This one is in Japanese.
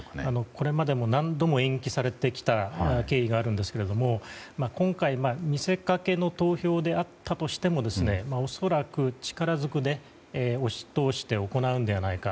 これまでも何度も延期されてきた経緯があるんですが今回見せかけの投票であったとしても恐らく、力ずくで押し通して行うのではないか。